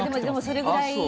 それぐらい？